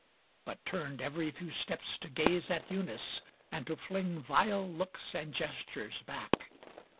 But turned every few steps to gaze At Eunice, and to fling Vile looks and gestures back.